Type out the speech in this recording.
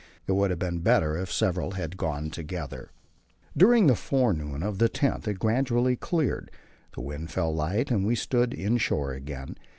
It would have been better if several had gone together. During the forenoon of the l0th it gradually cleared, the wind fell light and we stood inshore again.